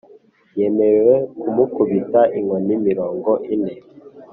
Yemererwa kumukubita inkoni mirongo ine